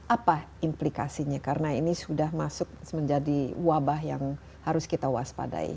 apa implikasinya karena ini sudah masuk menjadi wabah yang harus kita waspadai